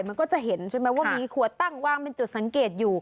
มันก็จะเห็นใช่ไหมว่ามีขวดตั้งวางเป็นจุดสังเกตอยู่